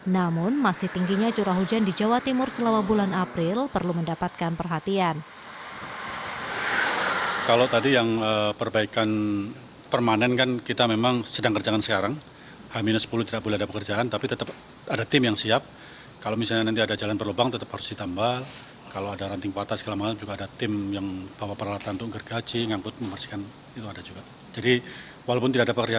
namun masih tingginya curah hujan di jawa timur selama bulan april perlu mendapatkan perhatian